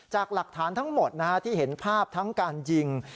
จากหลักฐานทั้งหมดที่เห็นภาพทั้งการยิง